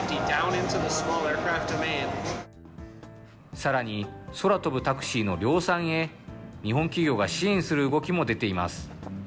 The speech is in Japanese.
さらに、空飛ぶタクシーの量産へ、日本企業が支援する動きも出ています。